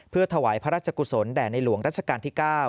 เพื่อถวายพระราชกุศลแด่ในหลวงรัชกาลที่๙